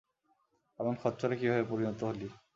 এমন খচ্চরে কীভাবে পরিণত হলি?